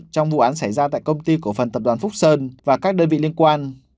trong vụ án xảy ra tại công ty cổ phần tập đoàn phúc sơn và các đơn vị liên quan